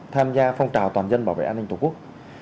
tham gia phong trào toàn dân bảo vệ an ninh tổ quốc